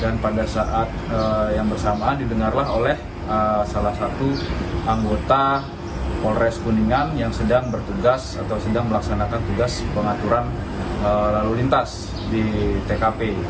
dan pada saat yang bersamaan didengarlah oleh salah satu anggota polres kuningan yang sedang bertugas atau sedang melaksanakan tugas pengaturan lalu lintas di tkp